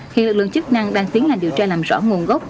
hiện lực lượng chức năng đang tiến hành điều tra làm rõ nguồn gốc